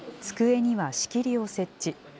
机には仕切りを設置。